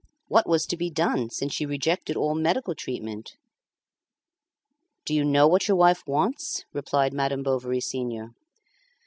What was to be done since she rejected all medical treatment? "Do you know what your wife wants?" replied Madame Bovary senior.